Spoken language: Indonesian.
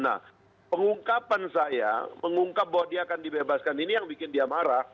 nah pengungkapan saya mengungkap bahwa dia akan dibebaskan ini yang bikin dia marah